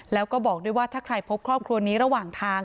แล้วก็บอกด้วยว่าถ้าใครพบครอบครัวนี้ระหว่างทาง